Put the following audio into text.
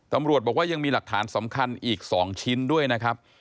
ตำรวจบอกว่ายังมีหลักฐานสำคัญอีก๒ชิ้นด้วยนะครับ